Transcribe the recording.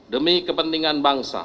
demi kepentingan bangsa